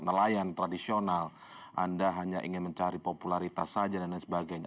nelayan tradisional anda hanya ingin mencari popularitas saja dan lain sebagainya